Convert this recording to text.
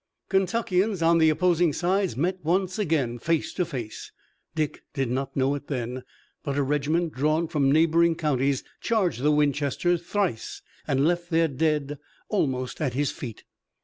Kentuckians on the opposing sides met once again face to face. Dick did not know it then, but a regiment drawn from neighboring counties charged the Winchesters thrice and left their dead almost at his feet.